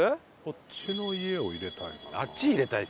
こっちの家を入れたいかな。